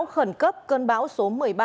cơn bão khẩn cấp cơn bão số một mươi ba